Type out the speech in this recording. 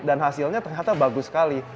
dan hasilnya ternyata bagus sekali